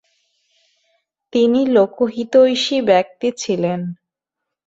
তিনি লোকহিতৈষী ব্যক্তি ছিলেন।